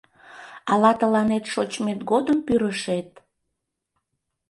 Ала тыланет шочмет годым Пӱрышет